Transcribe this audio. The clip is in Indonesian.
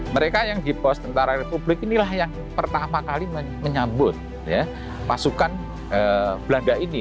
mereka yang di pos tentara republik inilah yang pertama kali menyambut pasukan belanda ini